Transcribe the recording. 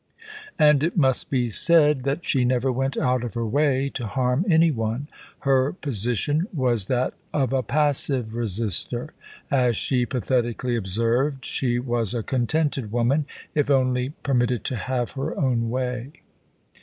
And it must be said that she never went out of her way to harm any one: her position was that of a passive resister. As she pathetically observed, she was a contented woman, if only permitted to have her own way.